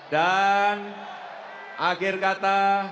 dan akhir kata